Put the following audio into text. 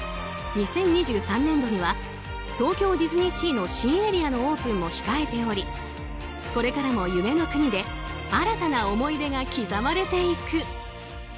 ２０２３年度には東京ディズニーシーの新エリアのオープンも控えておりこれからも夢の国で新たな思い出が刻まれていく。